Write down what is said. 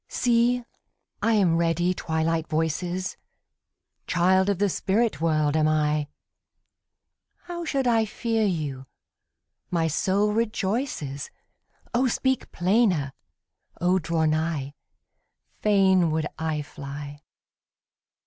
See, I am ready, Twilight voices! Child of the spirit world am I; How should I fear you? my soul rejoices, O speak plainer! O draw nigh! Fain would I fly!